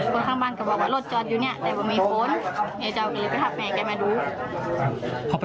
คือเห็นสภาพโซบแบบนอนโฮมผ้าค่ะ